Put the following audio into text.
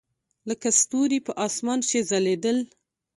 لکه ستوري په اسمان کښې ځلېدل.